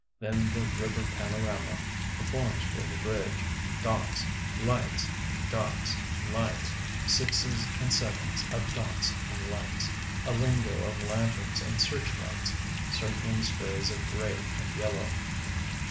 Then the river panorama performs for the bridge, dots ... lights ... dots ... lights, sixes and sevens of dots and lights, a lingo of lanterns and searchlights, circling sprays of gray and yellow.